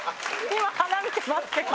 今鼻見てますけど。